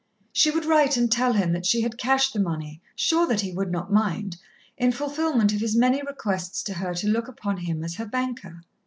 She would write and tell him that she had cashed the money, sure that he would not mind, in fulfilment of his many requests to her to look upon him as her banker.